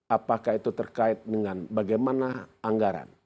apakah itu terkait dengan bagaimana anggaran